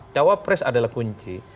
cewapres adalah kunci